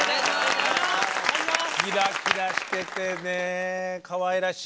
キラキラしててねえかわいらしい。